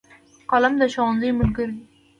قلم د ښوونځي ملګری دی.